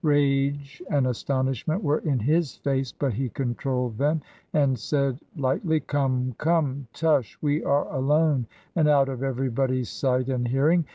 Rage and astonishment were in his face, but he controlled them, and said Ught ly/ 'Come, come I Tush I we are alone, and out of everybody's sight and hearing.